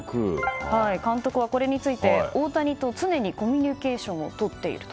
監督はこれについて大谷と常にコミュニケーションをとっていると。